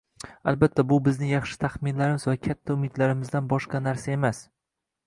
Albatta, bu bizning yaxshi taxminlarimiz va katta umidlarimizdan boshqa narsa emas